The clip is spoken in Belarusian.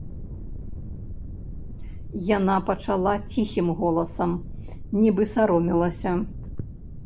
Яна пачала ціхім голасам, нібы саромелася.